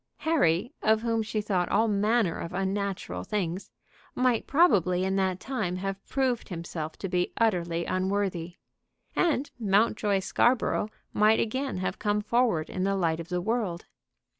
Harry, of whom she thought all manner of unnatural things, might probably in that time have proved himself to be utterly unworthy. And Mountjoy Scarborough might again have come forward in the light of the world.